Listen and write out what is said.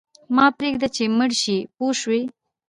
مه پرېږده چې مړ شې پوه شوې!.